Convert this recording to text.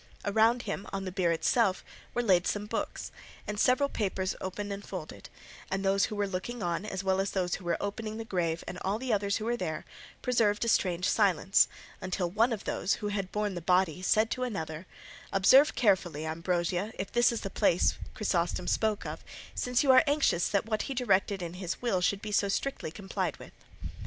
Around him on the bier itself were laid some books, and several papers open and folded; and those who were looking on as well as those who were opening the grave and all the others who were there preserved a strange silence, until one of those who had borne the body said to another, "Observe carefully, Ambrosio if this is the place Chrysostom spoke of, since you are anxious that what he directed in his will should be so strictly complied with."